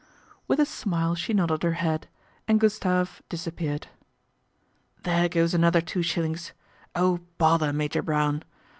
" With a smile she nodded her head, and Gustave disappeared. ' There goes another two shillings. Oh, bother Major Brown